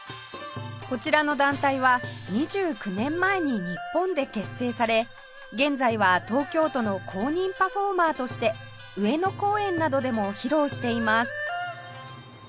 こちらの団体は２９年前に日本で結成され現在は東京都の公認パフォーマーとして上野公園などでも披露しています